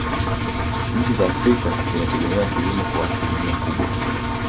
nchi za afrika zinategemea kilimo kwa asilimia kubwa